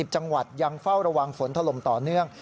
จังหวัดยังเฝ้าระวังฝนถล่มต่อเนื่อง